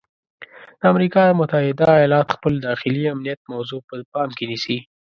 د امریکا متحده ایالات خپل داخلي امنیت موضوع په پام کې نیسي.